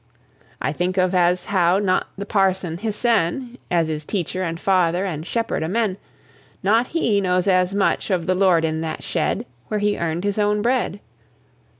I think of as how not the parson hissen, As is teacher and father and shepherd o' men, Not he knows as much of the Lord in that shed, Where He earned His own bread.